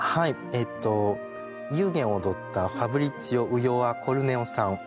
えと「幽玄」を踊ったファブリツィオ・ウヨア・コルネホさん。